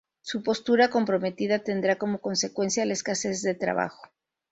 Su postura comprometida tendrá como consecuencia la escasez de trabajo.